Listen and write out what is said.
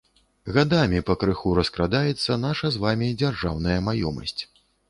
Гадамі пакрыху раскрадаецца наша з вамі дзяржаўная маёмасць.